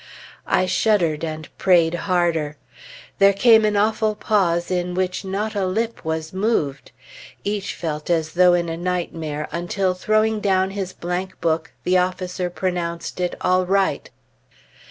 I shuddered and prayed harder. There came an awful pause in which not a lip was moved. Each felt as though in a nightmare, until, throwing down his blank book, the officer pronounced it "All right!"